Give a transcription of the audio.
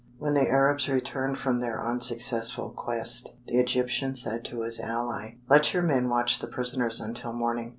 When the Arabs returned from their unsuccessful quest, the Egyptian said to his ally: "Let your men watch the prisoners until morning.